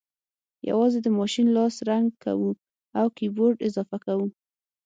یوازې د ماشین لاس رنګ کوو او کیبورډ اضافه کوو